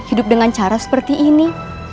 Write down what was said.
hidup dengan cara seperti ini